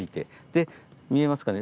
で見えますかね。